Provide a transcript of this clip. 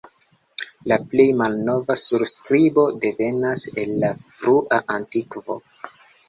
La plej malnova surskribo devenas el la frua antikvo.